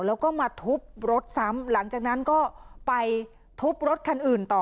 แล้วก็มาทุบรถซ้ำหลังจากนั้นก็ไปทุบรถคันอื่นต่อ